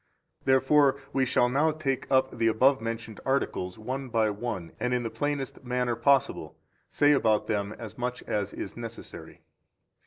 28 Therefore we shall now take up the above mentioned articles one by one and in the plainest manner possible say about them as much as is necessary.